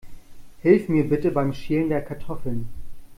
Hilf mir bitte beim Schälen der Kartoffeln.